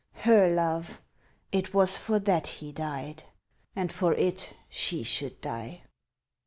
(Her love! it was for that he died, And for it she should die.)